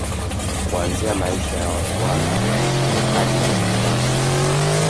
Kuanzia maisha ya watu wake hadi uchumi wake